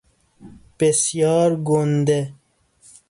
بسیار گنده